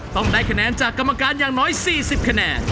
ต้องได้คะแนนจากกรรมการอย่างน้อย๔๐คะแนน